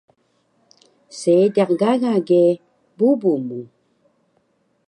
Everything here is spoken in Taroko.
Seediq gaga ge bubu mu